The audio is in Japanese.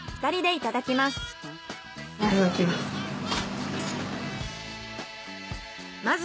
いただきます。